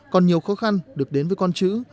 còn nhiều khó khăn được đến với con chữ